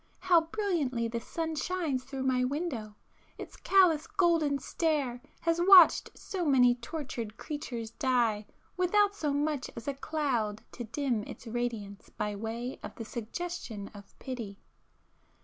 How brilliantly the sun shines through my window!—its callous golden stare has watched so many tortured creatures die without so much as a cloud to dim its radiance by way of the suggestion of pity!